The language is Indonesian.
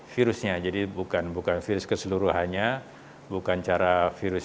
kita akan mencintai suatu vaksinium